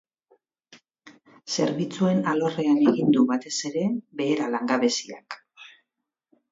Zerbitzuen alorrean egin du, batez ere, behera langabeziak.